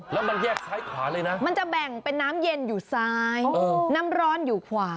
แล้วมันแยกซ้ายขาเลยนะมันจะแบ่งเป็นน้ำเย็นอยู่ซ้ายน้ำร้อนอยู่ขวา